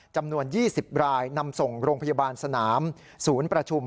จำนวน๒๐รายนำส่งโรงพยาบาลสนามศูนย์ประชุม